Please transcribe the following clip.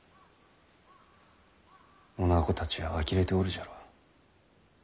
おなごたちはあきれておるじゃろう。